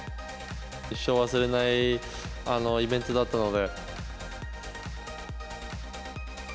一生忘れないイベントだったので。